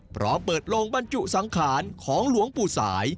พร้อมเปิดโลงบรรจุสังขารของหลวงปู่สาย